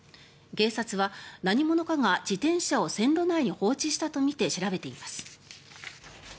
警察は何者かが自転車を線路内に放置したとみて調べています。